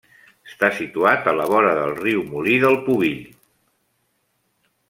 Està situat a la vora del riu Molí del Pubill.